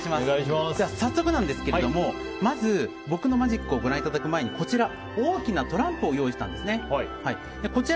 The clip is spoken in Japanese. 早速ですが、まず僕のマジックをご覧いただく前にこちら、大きなトランプを用意したんですね。